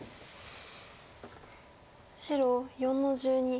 白４の十二。